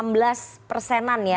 enam belas persenan ya